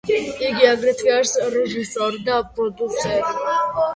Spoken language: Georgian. იგი აგრეთვე არის რეჟისორი და პროდიუსერი.